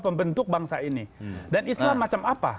pembentuk bangsa ini dan islam macam apa